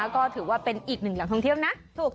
คือเป็นอีกหนึ่งหลังจงเที๊ยบนะ